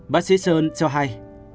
bác sĩ sơn cho hay